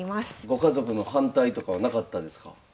ご家族の反対とかはなかったですか？